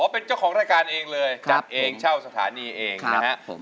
เป็นเจ้าของรายการเองเลยจัดเองเช่าสถานีเองนะครับผม